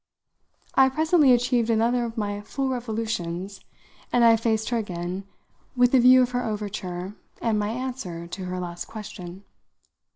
I had presently achieved another of my full revolutions, and I faced her again with a view of her overture and my answer to her last question.